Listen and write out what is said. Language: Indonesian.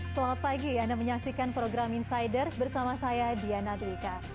selamat pagi anda menyaksikan program insiders bersama saya diana dwika